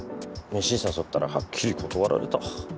飯誘ったらはっきり断られた。